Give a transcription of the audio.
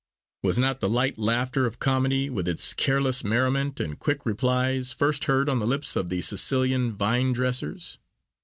Was not the light laughter of Comedy, with its careless merriment and quick replies, first heard on the lips of the Sicilian vine dressers?